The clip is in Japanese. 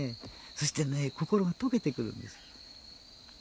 そして、心が解けてくるんです。